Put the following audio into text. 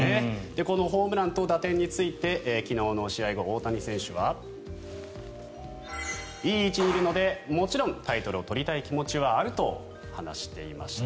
このホームランと打点について昨日の試合後大谷選手は、いい位置にいるのでもちろんタイトルを取りたい気持ちはあると話していました。